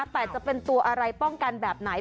แต่จะเป็นตัวอะไรป้องกันแบบไหน